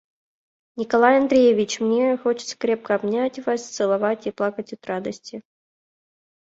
Николай Андреевич, мне хочется крепко, обнять вас, целовать и плакать от радости.